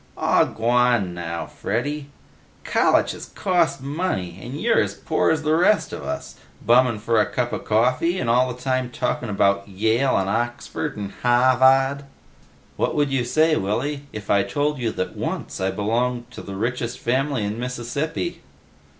"Aw, g'wan now, Freddy. Collitches cost money, and you're as poor as the rest of us. Bummin' for a cuppa coffee, and all the time talking about Yale, and Oxford, and Hah vad." "What would you say, Willy, if I told you that once I belonged to the richest family in Mississippi?"